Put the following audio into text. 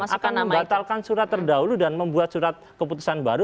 akan membatalkan surat terdahulu dan membuat surat keputusan baru